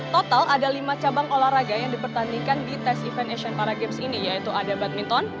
total ada lima cabang olahraga yang dipertandingkan di tes event asian para games ini yaitu ada badminton